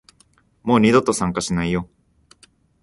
もう二度と参加しないよ